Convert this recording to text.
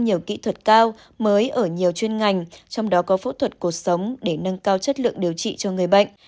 nhiều kỹ thuật cao mới ở nhiều chuyên ngành trong đó có phẫu thuật cuộc sống để nâng cao chất lượng điều trị cho người bệnh